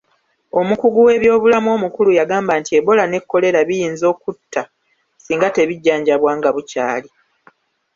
Omukugu w'ebyobulamu omukulu yagamba nti Ebola ne Kolera biyinza okutta singa tebijjanjabibwa nga bukyali.